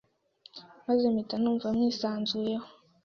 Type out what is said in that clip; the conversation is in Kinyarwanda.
maze mpita numva mwisanzuyeho.